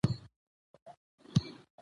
مېلې د ټولنیزي همکارۍ روحیه پیاوړې کوي.